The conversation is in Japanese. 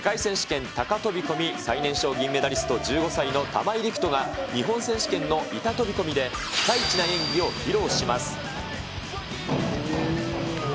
権高飛び込み最年少銀メダリスト、１５歳の玉井陸斗が、日本選手権の板飛び込みで、ピカイチな演技を披露します。